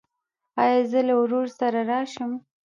ایا زه له ورور سره راشم؟